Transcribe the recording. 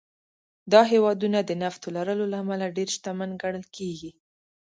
دا هېوادونه د نفتو لرلو له امله ډېر شتمن ګڼل کېږي.